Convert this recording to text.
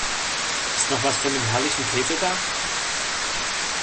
Ist noch was von dem herrlichen Käse da?